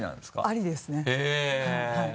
ありですねはい。